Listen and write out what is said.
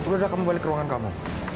sudah kamu kembali ke ruangan kamu